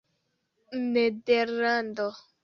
nederlando